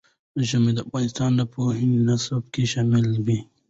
ژمی د افغانستان د پوهنې نصاب کې شامل دي.